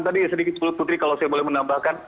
tadi sedikit sepuluh putri kalau saya boleh menambahkan